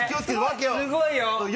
すごいよ。